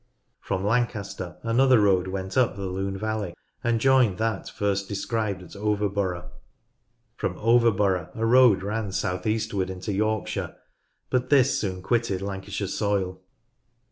From Lancaster another road went up the Lune valley and joined that first described at Overborough. From Overborough a road ran south eastward into Yorkshire, but this soon quitted Lancashire soil.